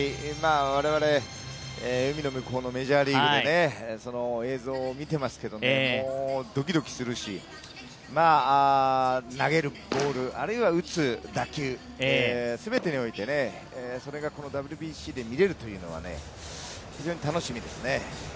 我々、海の向こうのメジャーリーグで映像を見ていますけど、ドキドキするし投げるボール、あるいは打つ打球、全てにおいてそれがこのＷＢＣで見られるというのは非常に楽しみですね。